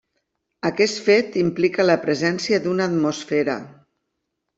Aquest fet implica la presència d'una atmosfera.